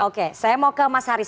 oke saya mau ke mas haris